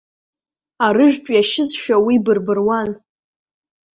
Арыжәтә иашьызшәа, уи бырбыруан.